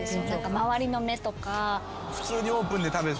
周りの目とか。